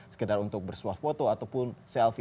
sekedar untuk bersuah foto ataupun selfie